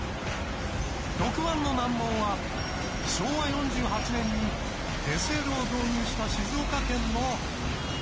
６番の難問は昭和４８年にＳＬを導入した静岡県の鉄道。